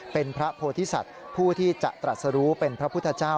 เป็นพระโพธิสัตว์ผู้ที่จะตรัสรู้เป็นพระพุทธเจ้า